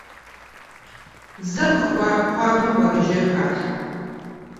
Зэгъ хъуамэ, кӏуэрыжэр халъхьэ.